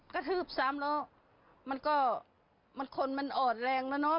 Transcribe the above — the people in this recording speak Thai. กระทืบซ้ำแล้วมันก็มันคนมันอ่อนแรงแล้วเนอะ